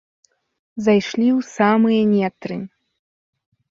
Зайшлі ў самыя нетры.